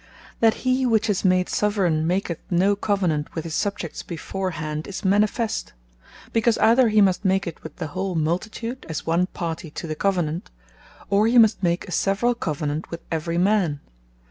That he which is made Soveraigne maketh no Covenant with his Subjects beforehand, is manifest; because either he must make it with the whole multitude, as one party to the Covenant; or he must make a severall Covenant with every man.